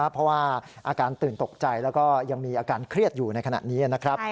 เพราะว่าอาการตื่นตกใจแล้วก็ยังมีอาการเครียดอยู่ในขณะนี้นะครับ